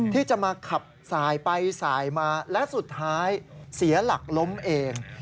ที่จะมาขับสายไปสายมาและสุดท้ายเสียหลักล้มเอง